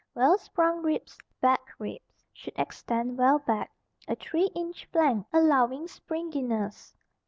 Well sprung ribs, back ribs should extend well back, a three inch flank allowing springiness.